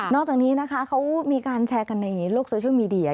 จากนี้นะคะเขามีการแชร์กันในโลกโซเชียลมีเดีย